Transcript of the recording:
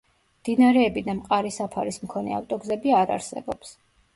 მდინარეები და მყარი საფარის მქონე ავტოგზები არარსებობს.